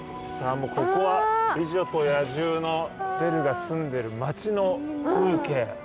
もうここは『美女と野獣』のベルが住んでる町の風景。